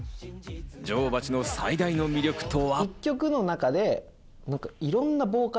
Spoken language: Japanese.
女王蜂の最大の魅力とは？